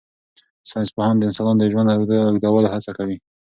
ساینس پوهان د انسانانو د ژوند اوږدولو هڅه کوي.